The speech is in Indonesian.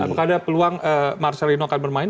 apakah ada peluang marcelino akan bermain